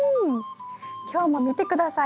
今日も見て下さい。